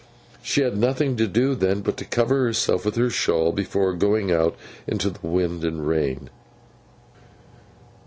She had nothing to do, then, but to cover herself with her shawl before going out into the wind and rain.